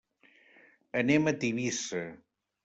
Anem a Tivissa.